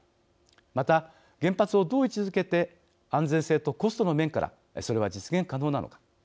また、原発をどう位置づけて安全性とコストの面からそれは実現可能なのか。